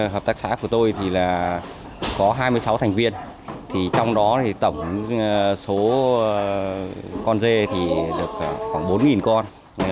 hợp tác xã của tôi có hai mươi sáu thành viên trong đó tổng số con dê được khoảng bốn con